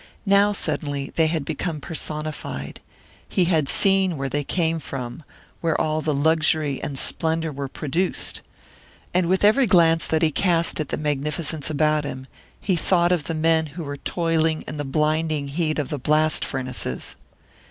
Now suddenly they had become personified he had seen where they came from, where all the luxury and splendour were produced! And with every glance that he cast at the magnificence about him, he thought of the men who were toiling in the blinding heat of the blast furnaces.